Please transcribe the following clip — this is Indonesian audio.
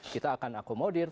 kita akan akomodir